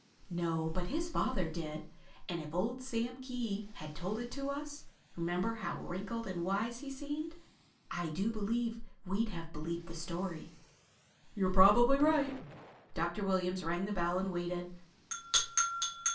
"No, but his father did. And if old Sam Kee had told it to us—remember how wrinkled and wise he seemed?—I do believe we'd have believed the story." "You're probably right." Dr. Williams rang the bell and waited.